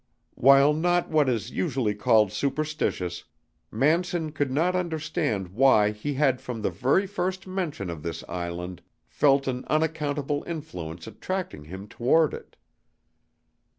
While not what is usually called superstitious, Manson could not understand why he had from the very first mention of this island, felt an unaccountable influence attracting him toward it.